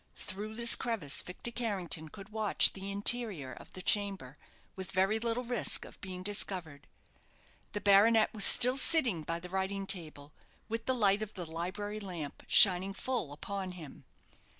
Through this crevice Victor Carrington could watch the interior of the chamber with very little risk of being discovered. The baronet was still sitting by the writing table, with the light of the library lamp shining full upon him.